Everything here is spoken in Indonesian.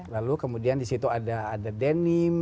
lalu kemudian disitu ada denim